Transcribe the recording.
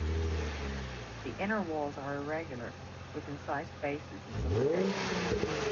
The inner walls are irregular, with incised bases in some locations.